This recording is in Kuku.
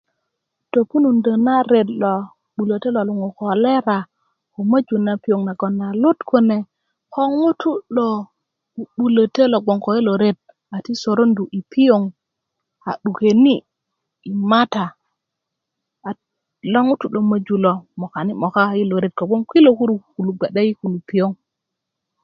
topunundö na ret lo 'bulötö lo luŋu kolera ko möju na piyoŋ nagoŋ a lut kune ko ŋutu' lo 'bu'bulötö lo gboŋ ko yilo ret ko sorondu yi piyoŋ a 'dukeni' yi mata at lo ŋutu' lo moju lo mokani' moka yilo ret kogboŋ kilo kuru kulu gbe'de yi kulu piyoŋ